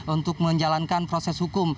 untuk menjalankan proses hukum